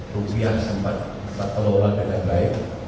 rupiah sempat tak telah ulang dengan baik